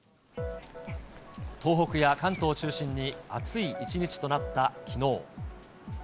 東北や関東を中心に暑い一日となったきのう。